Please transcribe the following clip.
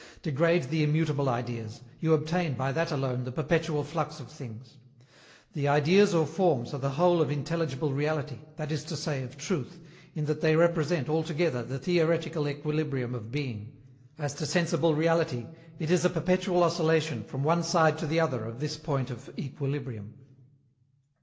Degrade the immutable Ideas: you obtain, by that alone, the perpetual flux of things. The Ideas or Forms are the whole of intelligible reality, that is to say, of truth, in that they represent, all together, the theoretical equilibrium of Being. As to sensible reality, it is a perpetual oscillation from one side to the other of this point of equilibrium.